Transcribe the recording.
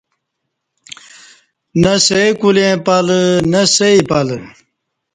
نہ سئی کولیں پلہ نہ سئی پلہ